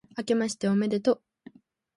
明けましておめでとう